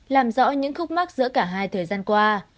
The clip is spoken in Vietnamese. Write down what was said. làm rõ những khúc mắt giữa cả hai thời gian qua